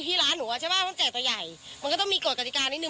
ร้านหนูอ่ะใช่ป่ะมันแจกตัวใหญ่มันก็ต้องมีกฎกติกานิดนึ